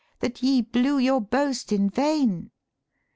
that ye blew your boast in vain?'